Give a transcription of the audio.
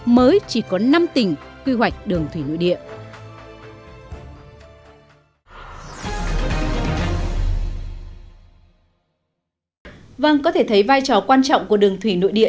mới chỉ có năm tỉnh quy hoạch đường thủy nội địa